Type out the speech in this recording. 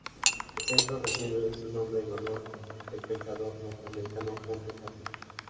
El centro recibe su nombre en honor del pensador norteamericano Henry Hazlitt.